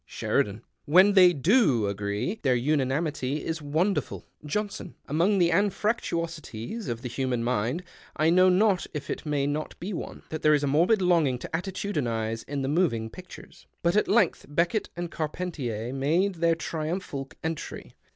Sheridan. —" When they do agree, their unanimity is wonder ful." Johnson'. —" Among the anfractuosities of the human mind, I know not if it may not be one, that there is a morbid longing to attitudinize in the * moving ))ieturcs.' " But at length Beckett and Carpentier made their triumphal entry.